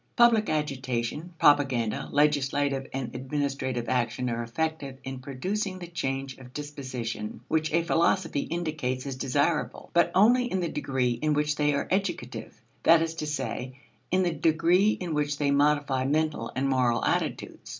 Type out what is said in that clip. Public agitation, propaganda, legislative and administrative action are effective in producing the change of disposition which a philosophy indicates as desirable, but only in the degree in which they are educative that is to say, in the degree in which they modify mental and moral attitudes.